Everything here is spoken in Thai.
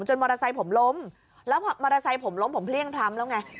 จนมอเวราไซค์ผมล้มแล้วมอเวราไซค์ผมล้มผมเพลี่ยงทำแล้วไง